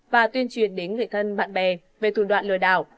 và tuyên truyền đến người thân bạn bè về thủ đoạn lừa đảo